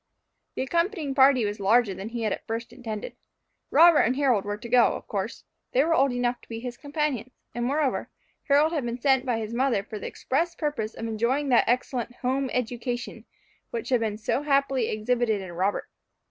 The accompanying party was larger than he had at first intended. Robert and Harold were to go of course; they were old enough to be his companions; and, moreover, Harold had been sent by his mother for the express purpose of enjoying that excellent home education which had been so happily exhibited in Robert.